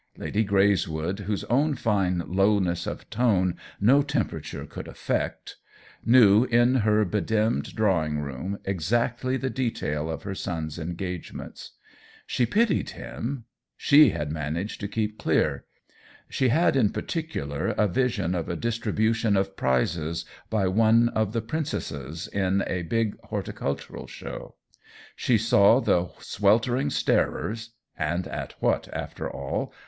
Lady Greyswood, whose own fine lowness of tone no temperature could affect, knew, in her bedimmed drawing room, ex actly the detail of her son's engagements. She pitied him — she had managed to keep clear; she had in particular a vision of a distribution of prizes, by one of the prin cesses, at a big horticultural show ; she saw the sweltering starers (and at what, after all